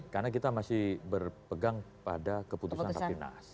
karena kita masih berpegang pada keputusan ppnas